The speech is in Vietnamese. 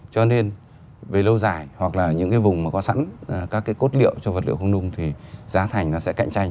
cho nên về lâu dài hoặc là những cái vùng mà có sẵn các cái cốt liệu cho vật liệu không nung thì giá thành nó sẽ cạnh tranh